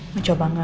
mau coba gak